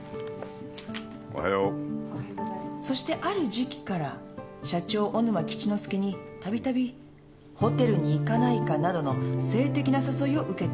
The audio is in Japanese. おはようおはそしてある時期から社長小沼吉之助に度々「ホテルに行かないか」などの性的な誘いを受けていた。